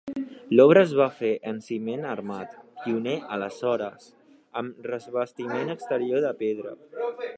L'obra es va fer en ciment armat –pioner aleshores– amb revestiment exterior de pedra.